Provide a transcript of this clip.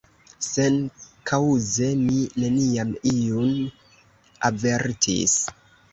Senkaŭze mi neniam iun avertis.